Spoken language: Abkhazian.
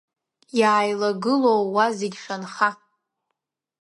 Иааилагылоу уа зегь шанха…